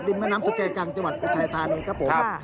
ดินแม่น้ำสุกแก่กลางจังหวัดไทยทานีครับผม